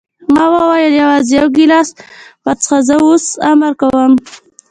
ما وویل: یوازې یو ګیلاس وڅښه، زه اوس امر کوم.